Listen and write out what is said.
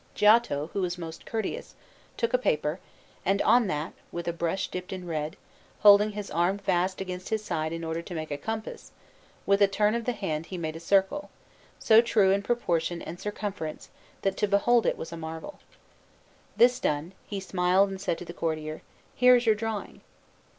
Giotto, who was most courteous, took a paper, and on that, with a brush dipped in red, holding his arm fast against his side in order to make a compass, with a turn of the hand he made a circle, so true in proportion and circumference that to behold it was a marvel. This done, he smiled and said to the courtier: "Here is your drawing."